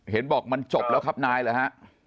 เห็นบอกมันจบแล้วครับนายเหรอฮะ